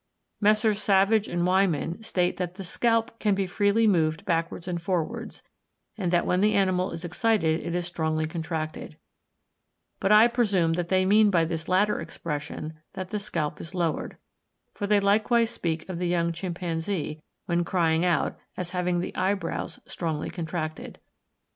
Messrs. Savage and Wyman state that the scalp can be freely moved backwards and forwards, and that when the animal is excited it is strongly contracted; but I presume that they mean by this latter expression that the scalp is lowered; for they likewise speak of the young chimpanzee, when crying out, as having the eyebrows strongly contracted.